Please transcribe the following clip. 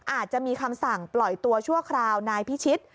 อาจจะมีคำสั่งปล่อยตัวชั่วคราวนายพิชิต